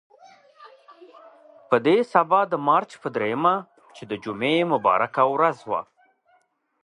په دې سبا د مارچ په درېیمه چې د جمعې مبارکه ورځ وه.